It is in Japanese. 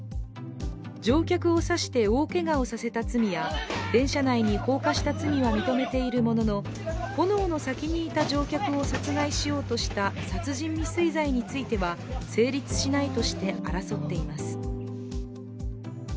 乗客を刺して大けがをさせた罪や電車内に放火した罪を認めているものの炎の先にいた乗客を殺害しようとした殺人未遂罪については成立しないとして争っています。